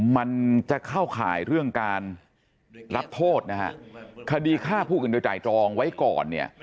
มันจะเข้าข่ายเรื่องการรับโทษคดีฆ่าผู้กันโดยจ่ายจองไว้ก่อน